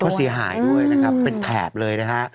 ก็เสียหายด้วยนะครับเป็นแถบเลยนะฮะ